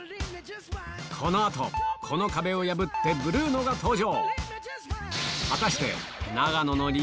この後この壁を破ってブルーノが登場！